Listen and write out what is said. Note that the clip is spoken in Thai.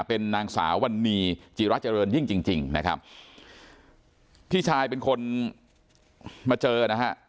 เป็นนางสาววันนี้จิระเจริญยิ่งจริงจริงนะครับพี่ชายเป็นคนมาเจอนะฮะ